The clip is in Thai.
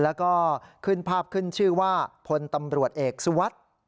แล้วก็ขึ้นภาพขึ้นชื่อว่าพลตำรวจเอกสุวัสดิ์